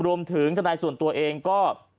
รวมถึงจนายส่วนตัวเองก็